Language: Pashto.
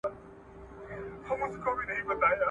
څېړنې ښيي، تر ټولو خوندور ځای مړوند دی.